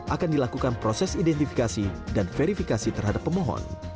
akan dilakukan proses identifikasi dan verifikasi terhadap pemohon